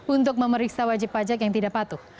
untuk memeriksa wajib pajak yang tidak patuh